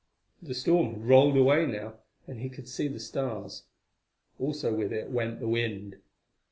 The storm had rolled away now, and he could see the stars; also with it went the wind.